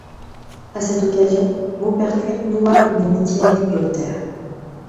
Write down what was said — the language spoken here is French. À cette occasion, Maupertuis noua une amitié avec Voltaire.